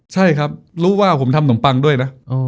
ใช่ครับรู้ว่าผมทำนมปังด้วยนะ